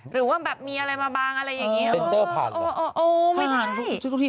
หรือว่าแบบมีอะไรมาบางอะไรอย่างนี้